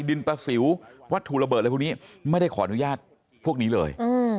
ดินประสิววัตถุระเบิดอะไรพวกนี้ไม่ได้ขออนุญาตพวกนี้เลย